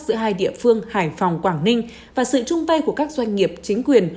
giữa hai địa phương hải phòng quảng ninh và sự chung tay của các doanh nghiệp chính quyền